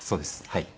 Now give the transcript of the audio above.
はい。